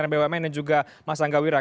bumn dan juga mas anggawira